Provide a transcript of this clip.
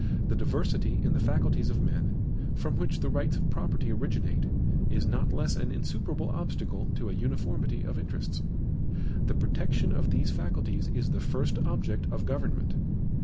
The diversity in the faculties of men, from which the rights of property originate, is not less an insuperable obstacle to a uniformity of interests. The protection of these faculties is the first object of government.